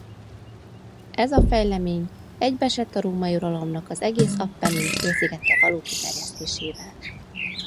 Ez a fejlemény egybeesett a római uralomnak az egész Appennin-félszigetre való kiterjesztésével.